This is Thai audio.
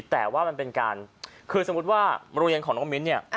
แต่ว่ามันเป็นการคือสมมุติว่าโรงเรียนของน้องมิ้นเนี่ย